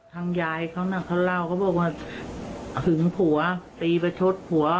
ยายเขาน่ะเขาเล่าเขาบอกว่าหึงผัวตีประชดผัว